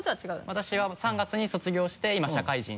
私は３月に卒業して今社会人。